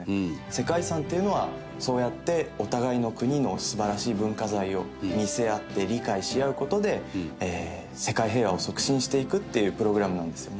世界遺産っていうのはそうやってお互いの国の素晴らしい文化財を見せ合って理解し合う事で世界平和を促進していくっていうプログラムなんですよ。